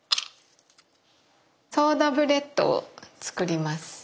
ソーダブレッドを作ります。